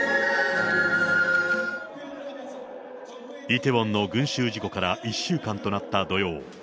イテウォンの群衆事故から１週間となった土曜。